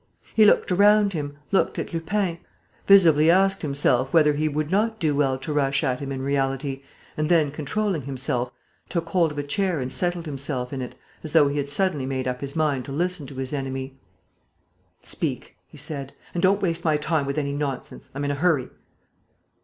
He looked around him, looked at Lupin, visibly asked himself whether he would not do well to rush at him in reality and then, controlling himself, took hold of a chair and settled himself in it, as though he had suddenly made up his mind to listen to his enemy: "Speak," he said. "And don't waste my time with any nonsense. I'm in a hurry."